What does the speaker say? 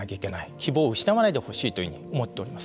希望を失わないでほしいと思っています。